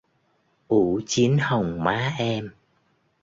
ủ chín hồng má em